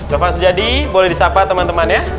topan sudjadi boleh disapa teman teman ya